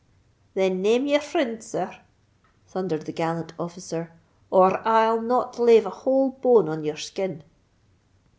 "Then name your frind, sir!" thundered the gallant officer; "or r I'll not lave a whole bone in your skin."